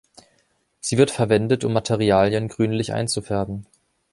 Sie wird verwendet, um Materialien grünlich einzufärben.